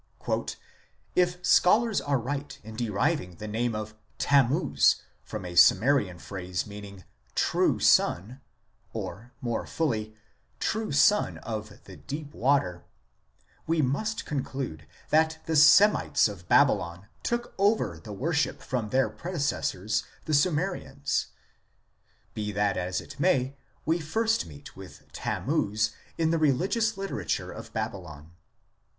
" If scholars are right in deriving the name of Tammuz from a Sumerian phrase meaning true son, or, more fully, true son of the deep water, 2 we must conclude that the Semites of Babylon took over the worship from their predecessors the Sumerians. ... Be that as it may, we first meet with Tammuz in the religious literature of Babylon.